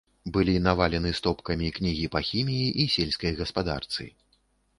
Былі навалены стопкамі кнігі па хіміі і сельскай гаспадарцы.